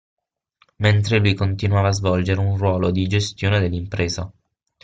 Mentre lui continua a svolgere un ruolo di gestione dell'impresa.